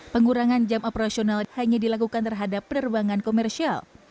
pengurangan jam operasional hanya dilakukan terhadap penerbangan komersial